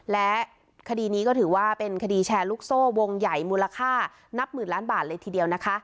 และคดีนี้ก็ถือว่าเป็นคดีแชร์ลูกโซ่วงใหญ่มูลค่านับหมื่นล้านบาทเลยทีเดียวนะคะ